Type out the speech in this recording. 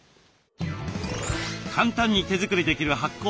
簡単に手作りできる発酵食。